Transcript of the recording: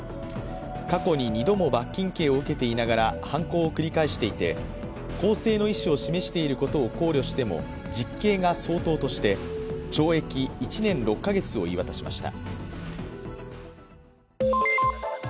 過去にも２度も罰金刑を受けていながら犯行を繰り返していて更生の意思を示していることを考慮しても実刑が相当として、懲役１年６か月を言い渡しました。